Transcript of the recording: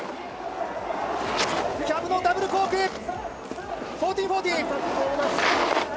キャブのダブルコーク１４４０。